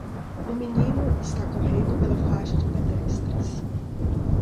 Um menino está correndo pela faixa de pedestres.